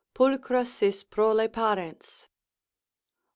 Pulchra sis prole parens.